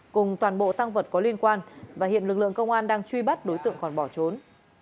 cùng toàn bộ tăng vật có liên quan và hiện lực lượng công an đang truy bắt đối tượng còn bỏ trốn